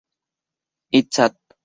I, sat.